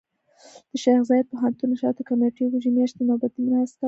د شيخ زايد پوهنتون نشراتو کمېټې وږي مياشتې نوبتي ناسته وکړه.